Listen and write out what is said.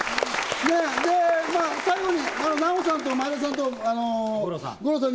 最後にナヲさんと前田さんと五郎さん。